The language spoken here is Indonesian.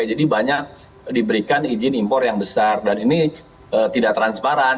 jadi banyak diberikan izin impor yang besar dan ini tidak transparan